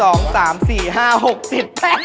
๘ออกไป